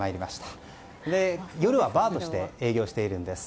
ここは夜はバーとして営業しているんです。